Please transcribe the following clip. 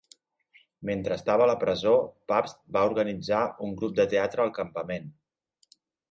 Mentre estava a la presó, Pabst va organitzar un grup de teatre al campament.